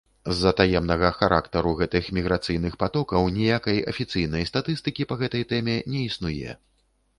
З-за таемнага характару гэтых міграцыйных патокаў ніякай афіцыйнай статыстыкі па гэтай тэме не існуе.